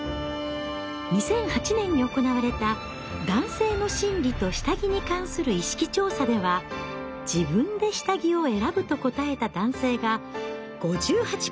２００８年に行われた「男性の心理と下着に関する意識調査」では「自分で下着を選ぶ」と答えた男性が５８％。